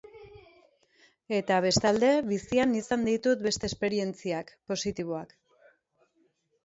Eta, bestalde, bizian izan ditut beste esperientziak, positiboak.